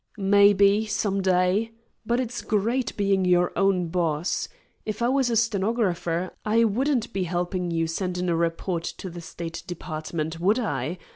"Maybe, some day. But it's great being your own boss. If I was a stenographer, I wouldn't be helping you send in a report to the State Department, would I?